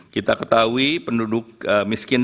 kita ketahui penduduk miskin